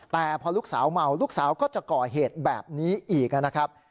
แต่พอลูกสาวเมาลูกสาวก็จะก่อเหตุแบบนี้อีกนะครับ